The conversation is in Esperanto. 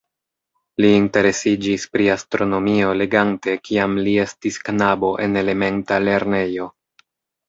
Li interesiĝis pri astronomio legante kiam li estis knabo en elementa lernejo.